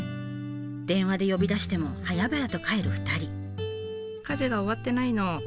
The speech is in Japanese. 電話で呼び出しても早々と帰る２人。